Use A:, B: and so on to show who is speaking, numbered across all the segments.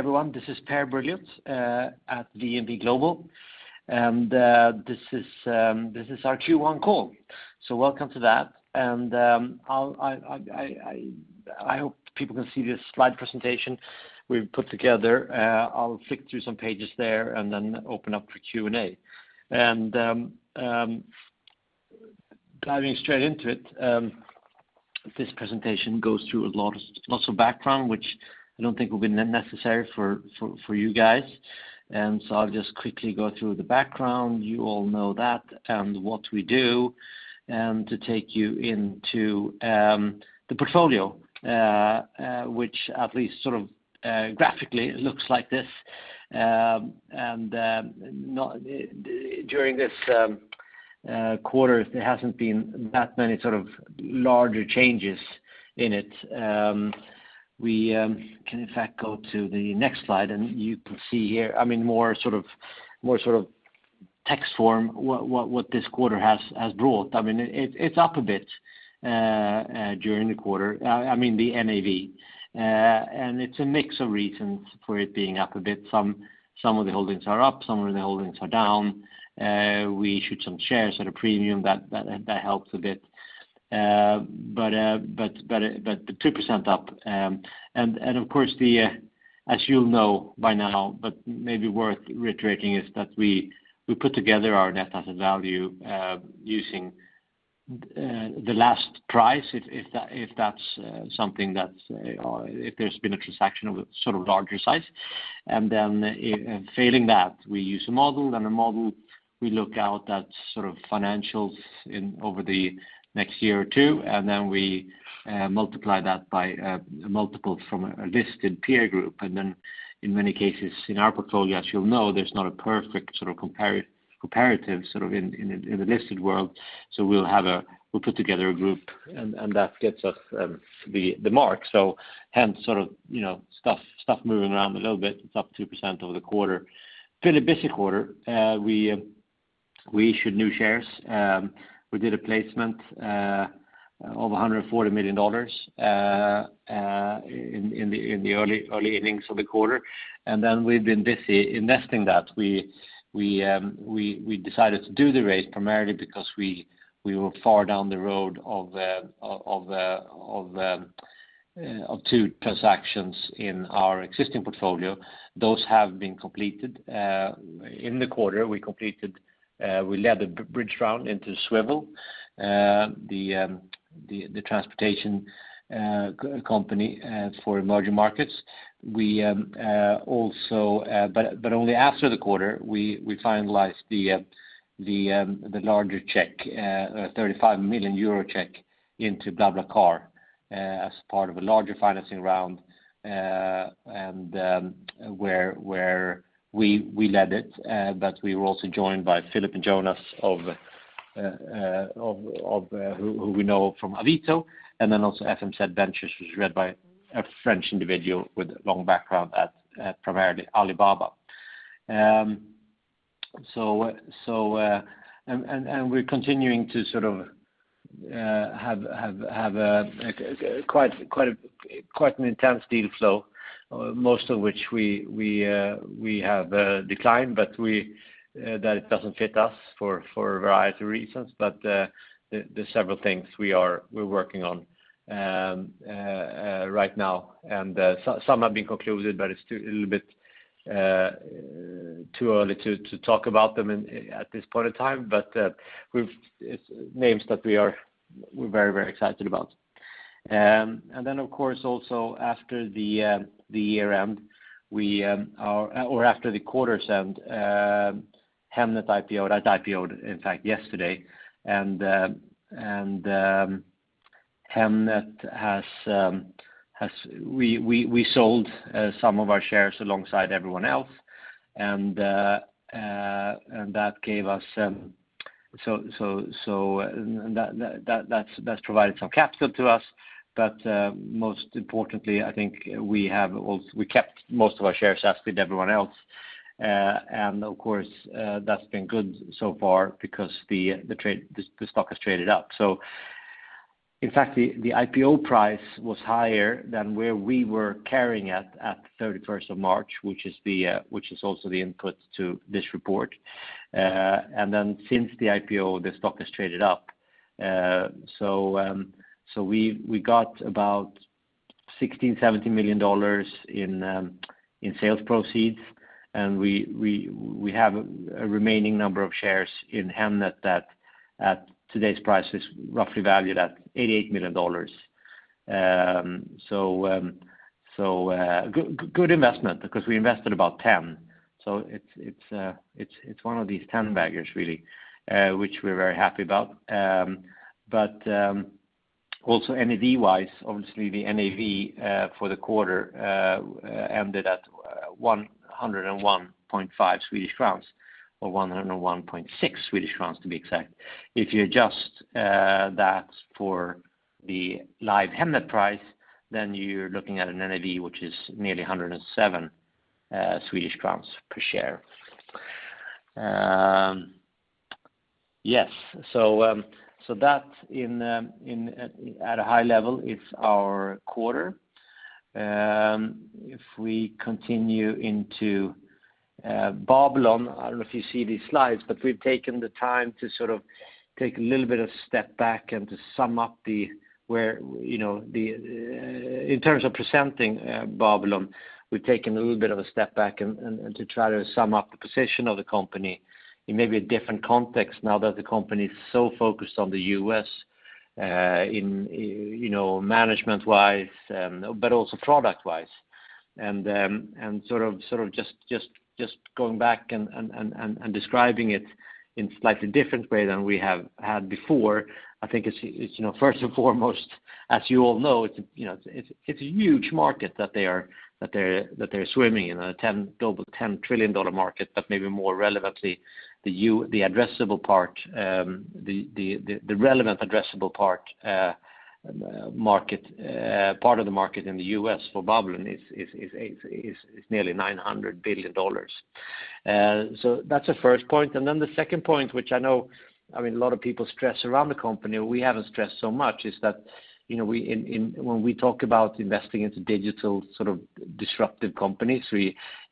A: Everyone, this is Per Brilioth at VNV Global, and this is our Q1 call. Welcome to that, and I hope people can see this slide presentation we've put together. I'll flick through some pages there and then open up for Q&A. Diving straight into it, this presentation goes through lots of background, which I don't think will be necessary for you guys. I'll just quickly go through the background, you all know that, and what we do, to take you into the portfolio which at least sort of graphically looks like this. During this quarter, there hasn't been that many larger changes in it. We can in fact go to the next slide, and you can see here more sort of text form what this quarter has brought. It's up a bit during the quarter, the NAV. It's a mix of reasons for it being up a bit. Some of the holdings are up, some of the holdings are down. We issued some shares at a premium, that helped a bit. The 2% up, and of course as you'll know by now but maybe worth reiterating, is that we put together our net asset value using the last price, if there's been a transaction of larger size. Failing that, we use a model. In our model, we look out at financials over the next year or two, and then we multiply that by a multiple from a listed peer group. In many cases in our portfolio, as you'll know, there's not a perfect comparative in the listed world, so we'll put together a group and that gets us the mark. Hence, stuff moving around a little bit. It's up 2% over the quarter. Been a busy quarter. We issued new shares. We did a placement of $140 million in the early innings of the quarter. We've been busy investing that. We decided to do the raise primarily because we were far down the road of two transactions in our existing portfolio. Those have been completed. In the quarter, we led a bridge round into Swvl, the transportation company for emerging markets. Only after the quarter, we finalized the larger check, a €35 million check into BlaBlaCar as part of a larger financing round where we led it. We were also joined by Filip and Jonas, who we know from Avito. Also FMZ Ventures, which is led by a French individual with a long background at primarily Alibaba. We're continuing to have quite an intense deal flow, most of which we have declined, that it doesn't fit us for a variety of reasons. There's several things we're working on right now, and some have been concluded, but it's a little bit too early to talk about them at this point in time. It's names that we're very excited about. Of course, also after the quarter's end, Hemnet IPO'd, in fact, yesterday. Hemnet, we sold some of our shares alongside everyone else, and that provided some capital to us. Most importantly, I think we kept most of our shares as with everyone else. Of course, that's been good so far because the stock has traded up. In fact, the IPO price was higher than where we were carrying it at 31st of March, which is also the input to this report. Since the IPO, the stock has traded up. We got about $16 million, $17 million in sales proceeds, and we have a remaining number of shares in Hemnet that at today's price is roughly valued at $88 million. Good investment because we invested about 10. It's one of these 10 baggers really, which we're very happy about. Also NAV-wise, obviously the NAV for the quarter ended at 101.5 Swedish crowns or 101.6 Swedish crowns to be exact. If you adjust that for the live Hemnet price, then you're looking at an NAV which is nearly 107 Swedish crowns per share. Yes. That at a high level is our quarter. If we continue into Babylon, I don't know if you see these slides, we've taken the time to take a little bit of step back and to sum up the where, in terms of presenting Babylon, we've taken a little bit of a step back to try to sum up the position of the company in maybe a different context now that the company is so focused on the U.S. management wise, but also product wise. Just going back and describing it in a slightly different way than we have had before, I think it's first and foremost, as you all know, it's a huge market that they are swimming in, a $10 trillion market, but maybe more relevantly, the relevant addressable part of the market in the U.S. for Babylon is nearly $900 billion. That's the first point. Then the second point, which I know a lot of people stress around the company, we haven't stressed so much, is that when we talk about investing into digital disruptive companies,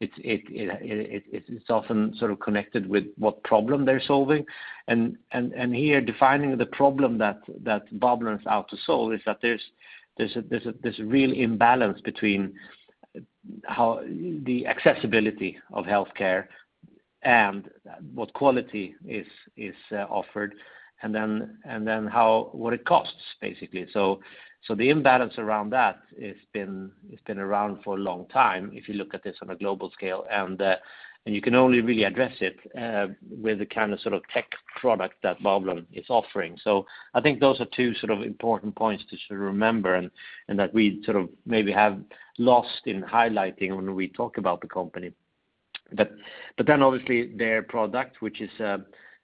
A: it's often sort of connected with what problem they're solving. Here, defining the problem that Babylon is out to solve is that there's a real imbalance between how the accessibility of healthcare and what quality is offered, and then what it costs, basically. The imbalance around that has been around for a long time, if you look at this on a global scale, and you can only really address it with the kind of tech product that Babylon is offering. I think those are two important points to remember and that we maybe have lost in highlighting when we talk about the company. Obviously their product,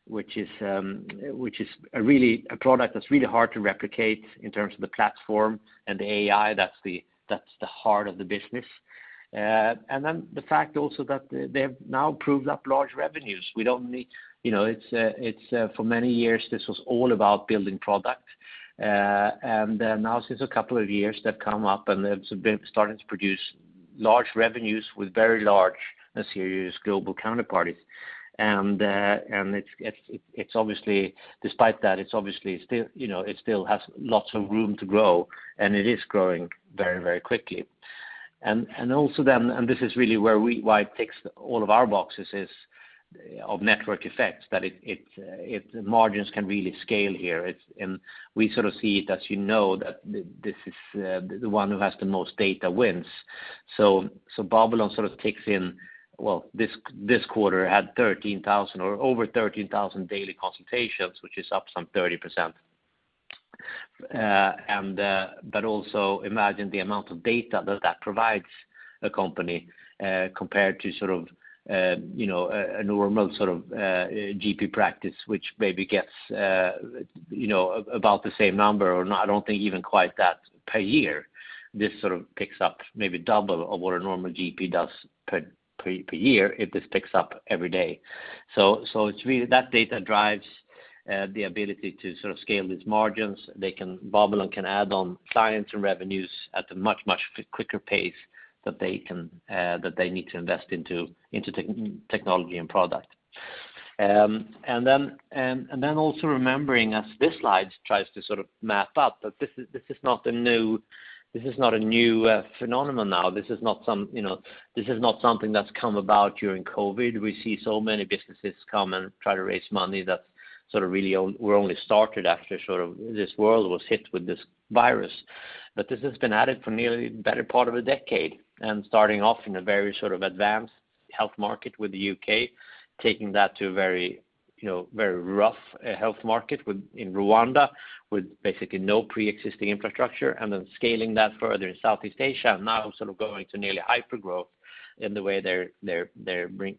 A: which is a product that's really hard to replicate in terms of the platform and the AI, that's the heart of the business. The fact also that they have now proved up large revenues. For many years, this was all about building product. Now since a couple of years they've come up and they've started to produce large revenues with very large and serious global counterparties. Despite that, it still has lots of room to grow, and it is growing very, very quickly. This is really why it ticks all of our boxes is of network effects, that its margins can really scale here. We sort of see it as you know that this is the one who has the most data wins. Babylon sort of ticks in, well, this quarter had over 13,000 daily consultations, which is up some 30%. Also imagine the amount of data that that provides a company, compared to a normal sort of GP practice, which maybe gets about the same number or I don't think even quite that per year. This sort of picks up maybe double of what a normal GP does per year if this picks up every day. It's really that data drives the ability to scale these margins. Babylon can add on clients and revenues at a much, much quicker pace that they need to invest into technology and product. Also remembering as this slide tries to map up, that this is not a new phenomenon now. This is not something that's come about during COVID. We see so many businesses come and try to raise money that really were only started after this world was hit with COVID. This has been at it for nearly the better part of a decade, starting off in a very advanced health market with the U.K., taking that to a very rough health market in Rwanda with basically no pre-existing infrastructure, scaling that further in Southeast Asia, and now going to nearly hypergrowth in the way they're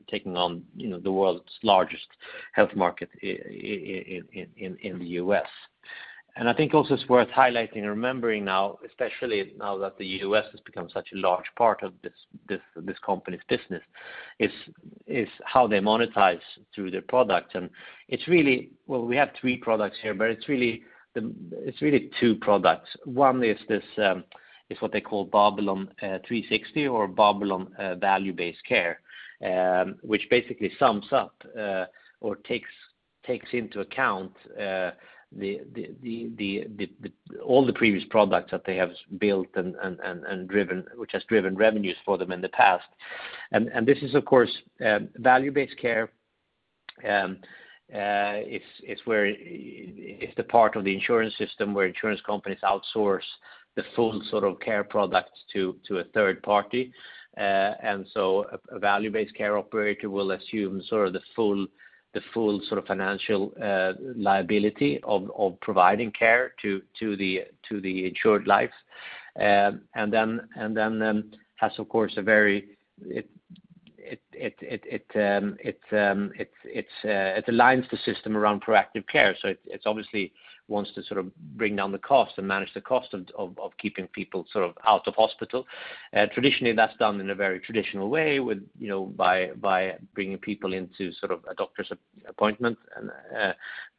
A: taking on the world's largest health market in the U.S. I think also it's worth highlighting and remembering now, especially now that the U.S. has become such a large part of this company's business, is how they monetize through their product. It's really, well, we have three products here, but it's really two products. One is what they call Babylon 360 or Babylon value-based care, which basically sums up or takes into account all the previous products that they have built, which has driven revenues for them in the past. This is, of course, value-based care, it's the part of the insurance system where insurance companies outsource the full care product to a third party. A value-based care operator will assume the full financial liability of providing care to the insured lives. It aligns the system around proactive care. It obviously wants to bring down the cost and manage the cost of keeping people out of hospital. Traditionally, that's done in a very traditional way by bringing people into a doctor's appointment.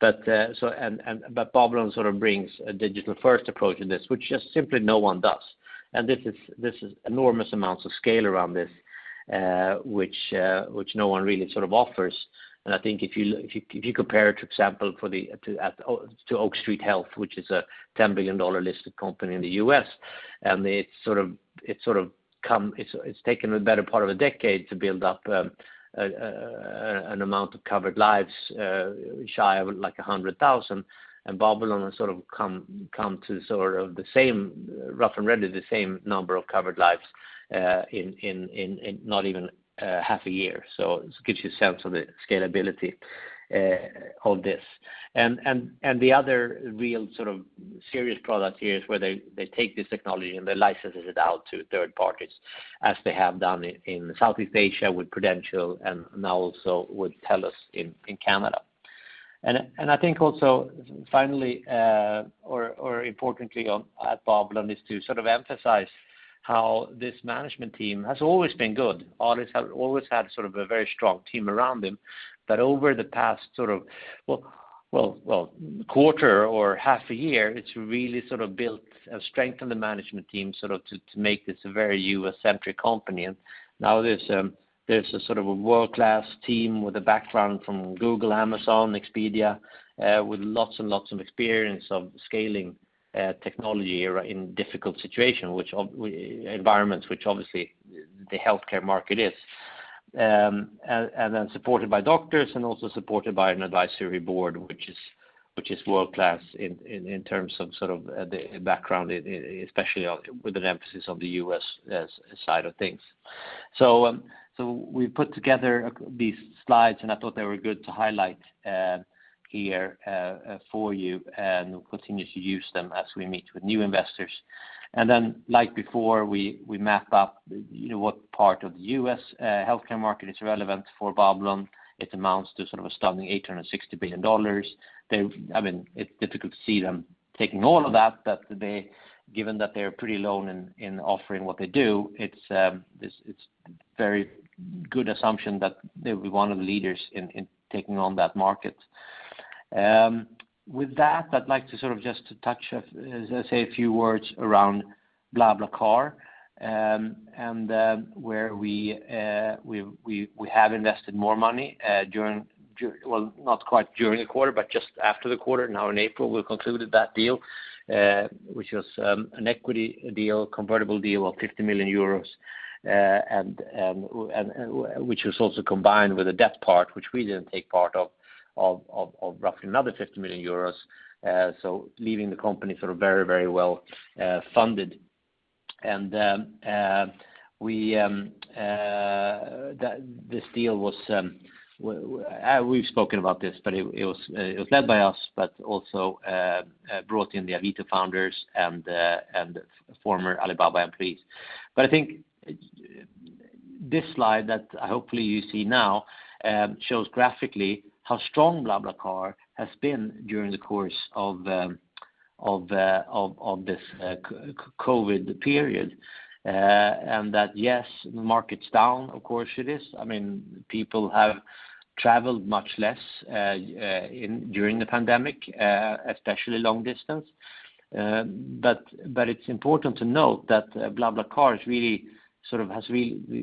A: Babylon brings a digital-first approach in this, which just simply no one does. This is enormous amounts of scale around this, which no one really offers. I think if you compare it, for example, to Oak Street Health, which is a $10 billion listed company in the U.S., it's taken the better part of a decade to build up an amount of covered lives shy of 100,000, and Babylon has come to sort of the same, rough and ready, the same number of covered lives in not even half a year. It gives you a sense of the scalability of this. The other real serious product here is where they take this technology, and they license it out to third parties, as they have done in Southeast Asia with Prudential and now also with TELUS in Canada. I think also, finally or importantly at Babylon, is to emphasize how this management team has always been good. Always had a very strong team around them. Over the past quarter or half a year, it's really built strength in the management team to make this a very U.S.-centric company. Now there's a world-class team with a background from Google, Amazon, Expedia, with lots and lots of experience of scaling technology in difficult environments, which obviously the healthcare market is. Supported by doctors and also supported by an advisory board, which is world-class in terms of the background, especially with an emphasis on the U.S. side of things. We put together these slides, and I thought they were good to highlight here for you and we'll continue to use them as we meet with new investors. Like before, we map up what part of the U.S. healthcare market is relevant for Babylon. It amounts to a stunning $860 billion. It's difficult to see them taking all of that, but given that they are pretty alone in offering what they do, it's very good assumption that they'll be one of the leaders in taking on that market. With that, I'd like to just to touch, as I say, a few words around BlaBlaCar, and where we have invested more money, well, not quite during the quarter, but just after the quarter, now in April, we concluded that deal, which was an equity deal, convertible deal of 50 million euros, which was also combined with a debt part, which we didn't take part of roughly another 50 million euros. Leaving the company very well funded. This deal, we've spoken about this, but it was led by us, but also brought in the Avito founders and former Alibaba employees. I think this slide that hopefully you see now, shows graphically how strong BlaBlaCar has been during the course of this COVID period. That yes, market's down, of course it is. People have traveled much less during the pandemic, especially long distance. It's important to note that BlaBlaCar,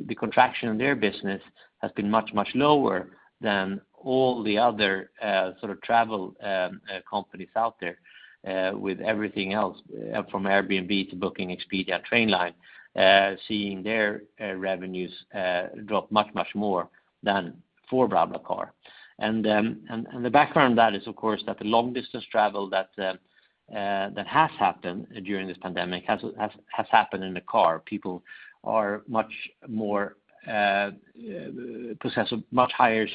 A: the contraction in their business has been much, much lower than all the other travel companies out there, with everything else from Airbnb to Booking, Expedia, Trainline, seeing their revenues drop much, much more than for BlaBlaCar. The background that is, of course, that the long-distance travel that has happened during this pandemic has happened in the car. People possess a much higher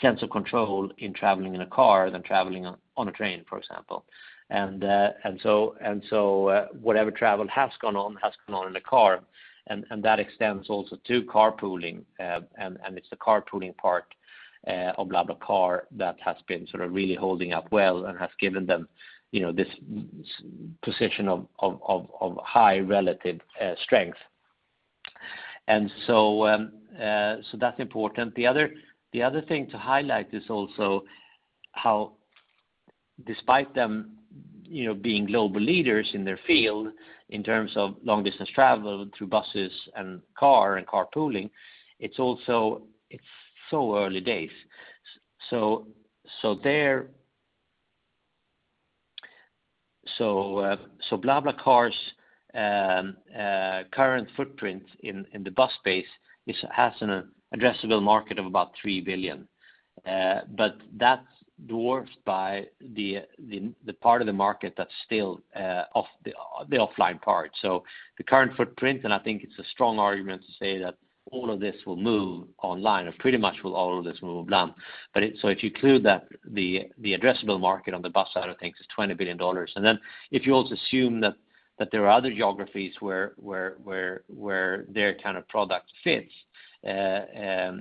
A: sense of control in traveling in a car than traveling on a train, for example. Whatever travel has gone on, has gone on in a car, and that extends also to carpooling. It's the carpooling part of BlaBlaCar that has been really holding up well and has given them this position of high relative strength. That's important. The other thing to highlight is also how despite them being global leaders in their field in terms of long-distance travel through buses and car and carpooling, it's so early days. The current footprint in the bus space has an addressable market of about 3 billion. But that's dwarfed by the part of the market that's still the offline part. The current footprint, and I think it's a strong argument to say that all of this will move online, or pretty much all of this will move online. If you include the addressable market on the bus side of things is SEK 20 billion. If you also assume that there are other geographies where their kind of product fits, there's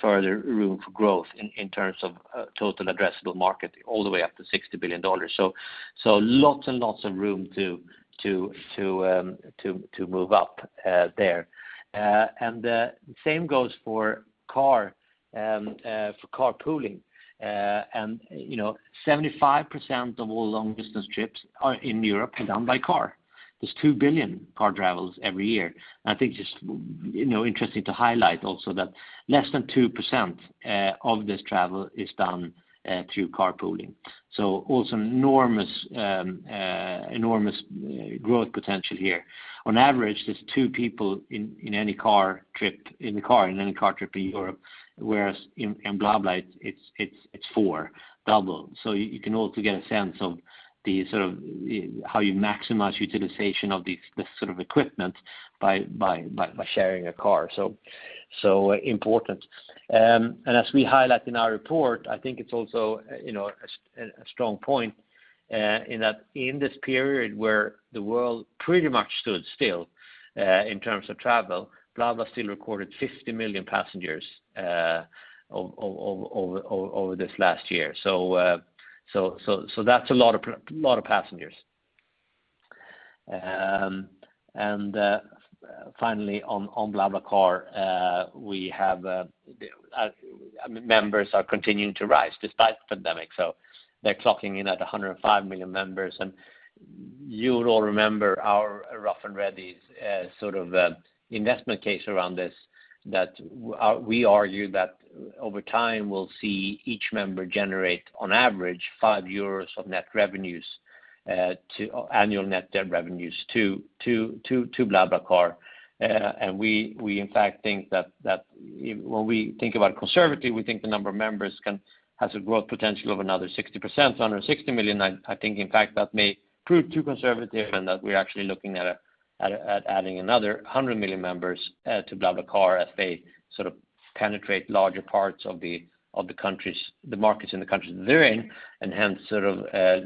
A: further room for growth in terms of total addressable market all the way up to $60 billion. Lots and lots of room to move up there. The same goes for carpooling. 75% of all long-distance trips in Europe are done by car. There's 2 billion car travels every year. I think just interesting to highlight also that less than 2% of this travel is done through carpooling. Also enormous growth potential here. On average, there's two people in any car trip in Europe, whereas in BlaBlaCar it's four, double. You can also get a sense of how you maximize utilization of this sort of equipment by sharing a car. Important. As we highlight in our report, I think it's also a strong point in that in this period where the world pretty much stood still in terms of travel, BlaBlaCar still recorded 50 million passengers over this last year. That's a lot of passengers. Finally on BlaBlaCar, members are continuing to rise despite the pandemic. They're clocking in at 105 million members. You'll all remember our rough and ready investment case around this, that we argue that over time, we'll see each member generate, on average, 5 euros of annual net revenues to BlaBlaCar. We in fact think that when we think about conservative, we think the number of members has a growth potential of another 60%, so another 60 million. I think in fact that may prove too conservative and that we're actually looking at adding another 100 million members to BlaBlaCar as they penetrate larger parts of the markets in the countries that they're in, and hence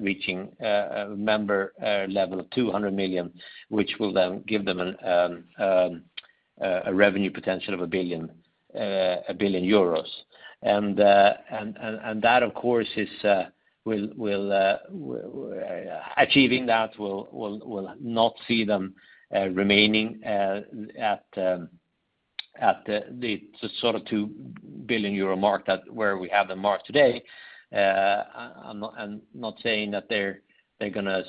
A: reaching a member level of 200 million, which will then give them a revenue potential of EUR 1 billion. Achieving that will not see them remaining at the 2 billion euro mark where we have the mark today. I'm not saying that they're going to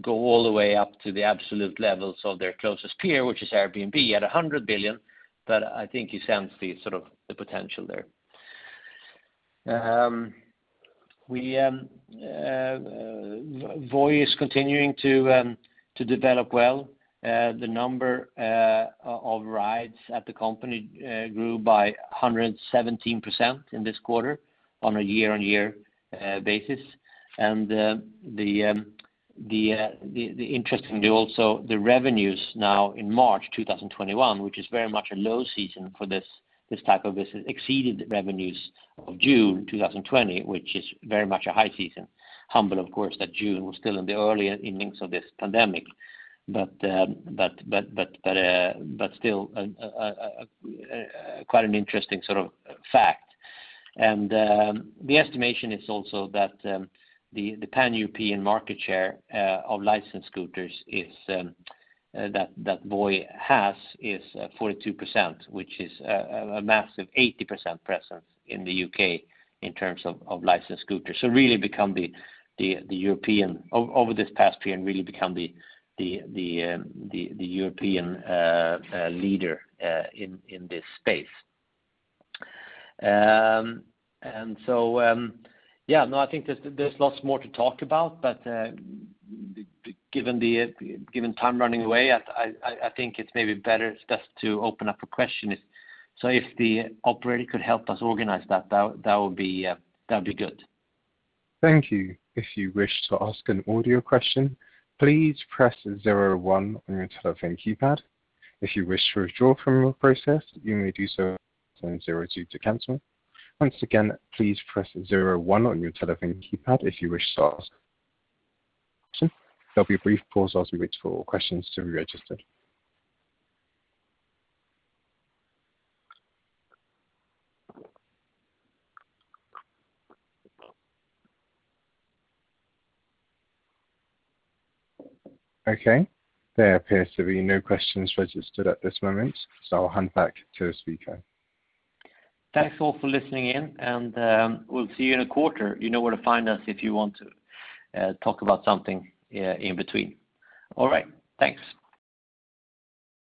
A: go all the way up to the absolute levels of their closest peer, which is Airbnb at $100 billion, but I think you sense the potential there. Voi is continuing to develop well. The number of rides at the company grew by 117% in this quarter on a year-on-year basis. Interestingly also, the revenues now in March 2021, which is very much a low season for this type of business, exceeded revenues of June 2020, which is very much a high season. Humble, of course, that June was still in the early innings of this pandemic, but still quite an interesting fact. The estimation is also that the pan-European market share of licensed scooters that Voi has is 42%, which is a massive 80% presence in the U.K. in terms of licensed scooters. Over this past year, really become the European leader in this space. I think there's lots more to talk about, but given time running away, I think it's maybe better just to open up for questions. If the operator could help us organize that would be good.
B: Thank you. If you wish to ask an audio question, please press zero one on your telephone keypad. If you wish to withdraw from the process, you may do so by pressing zero two to cancel. Once again, please press zero one on your telephone keypad if you wish to ask. There'll be a brief pause as we wait for questions to be registered. There appears to be no questions registered at this moment, so I'll hand back to the speaker.
A: Thanks all for listening in. We'll see you in a quarter. You know where to find us if you want to talk about something in between. All right. Thanks.